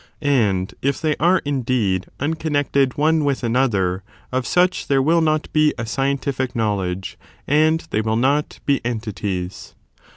And if they are, indeed, unconnected one with another, of such there will not be a scientific knowledge, and they will not be entities.